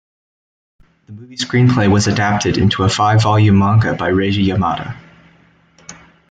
The movie screenplay was adapted into a five volume manga by Reiji Yamada.